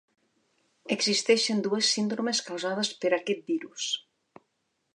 Existeixen dues síndromes causades per aquest virus.